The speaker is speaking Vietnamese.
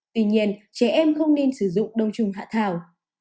tuy nhiên trẻ em không nên sử dụng đông trùng hạ thảo